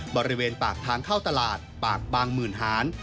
บริเวณปากทางเข้าตลาดปากบางหมื่นหาน